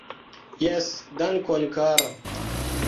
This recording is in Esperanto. Jes, dankon kara!